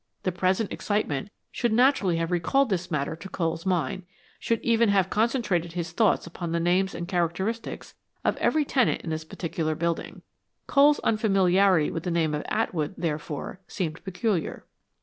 The present excitement should naturally have recalled this matter to Cole's mind should even have concentrated his thoughts upon the names and characteristics of every tenant in this particular building. Cole's unfamiliarity with the name of Atwood, therefore, seemed peculiar.